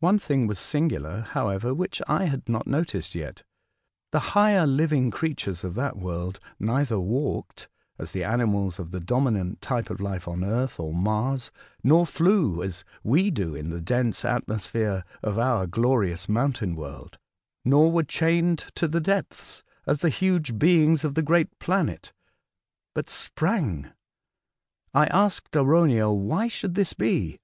One thing was singular, however, which I had not 184 A Voyage to Other Worlds. noticed yet, — the higher living creatures of that world neither walked as the animals of the dominant type of life on Earth or Mars, nor flew as we do in the dense atmosphere of our glorious mountain world, nor were chained to the depths as the huge beings of the giant planet, but sprang. I asked Arauniel why should this be.